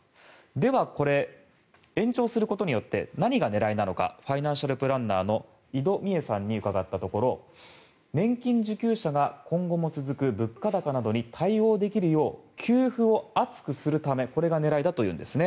ではこれ、延長することによって何が狙いなのかファイナンシャルプランナーの井戸美枝さんに伺ったところ年金受給者が今後も続く物価高などに対応できるよう給付を厚くするためこれが狙いだというんです。